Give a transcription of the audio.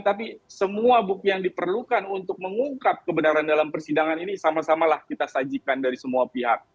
tapi semua bukti yang diperlukan untuk mengungkap kebenaran dalam persidangan ini sama samalah kita sajikan dari semua pihak